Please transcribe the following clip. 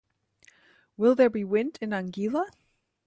Will there be wind in Anguilla?